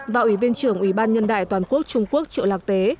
và ủy viên trưởng ủy ban nhân đại toàn quốc trung quốc triệu lạc tế